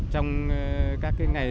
trong các cái ngày